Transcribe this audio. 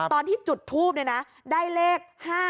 ตอนที่จุดทูบเนี่ยนะได้เลข๕๓๗